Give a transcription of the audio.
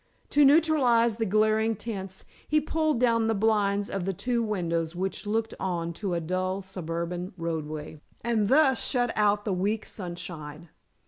To neutralize the glaring tints, he pulled down the blinds of the two windows which looked on to a dull suburban roadway, and thus shut out the weak sunshine.